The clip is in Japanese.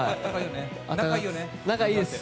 仲いいです。